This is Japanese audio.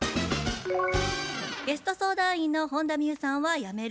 ゲスト相談員の本田望結さんは「やめる」